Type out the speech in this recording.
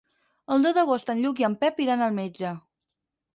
El deu d'agost en Lluc i en Pep aniran al metge.